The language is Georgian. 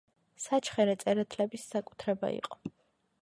საჩხერე წერეთლების საკუთრება იყო.